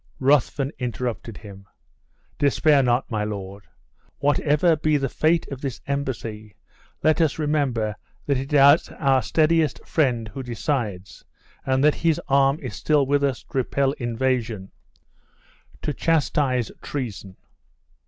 Ruthven interrupted him: "Despair not, my lord! Whatever be the fate of this embassy, let us remember that it is our steadiest friend who decides, and that his arm is still with us to repel invasion, to chastise treason!"